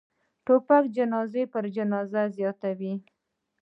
توپک جنازه پر جنازه زیاتوي.